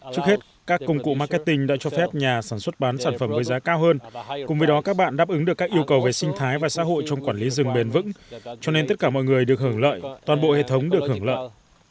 trước hết các công cụ marketing đã cho phép nhà sản xuất bán sản phẩm với giá cao hơn cùng với đó các bạn đáp ứng được các yêu cầu về sinh thái và xã hội trong quản lý rừng bền vững cho nên tất cả mọi người được hưởng lợi toàn bộ hệ thống được hưởng lợi